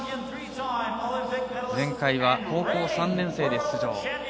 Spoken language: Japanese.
前回は高校３年生で出場。